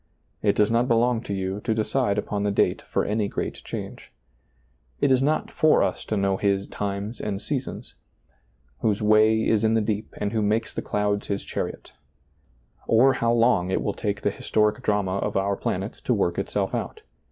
It does not belong to you to decide upon the date for any great change. It is not for us to know His " times and seasons," " whose way is in the deep and who makes the clouds His chariot," or how long it will take the historic drama of our planet to work itself out.